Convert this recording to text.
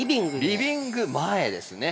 リビング前ですね。